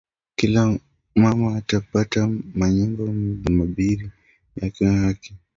Kila mama ata pata ma nyumba mbiri yake kwa haki yake